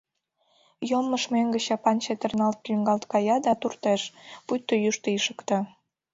Йоммыж мӧҥгӧ чапан чытырналт-лӱҥгалт кая да туртеш, пуйто йӱштӧ ишыкта.